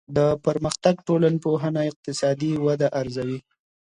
د پرمختګ ټولنپوهنه اقتصادي وده ارزوي.